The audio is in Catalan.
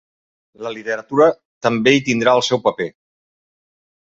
La literatura també hi tindrà el seu paper.